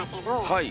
はい。